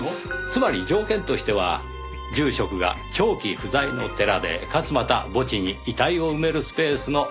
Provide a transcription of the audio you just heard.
つまり条件としては住職が長期不在の寺でかつまた墓地に遺体を埋めるスペースのある事。